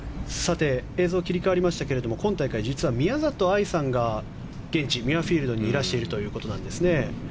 映像切り替わりましたけれども今大会、実は宮里藍さんが現地のミュアフィールドにいらしているということです。